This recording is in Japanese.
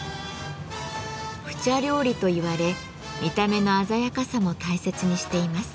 「普茶料理」といわれ見た目の鮮やかさも大切にしています。